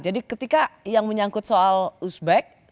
jadi ketika yang menyangkut soal uzbek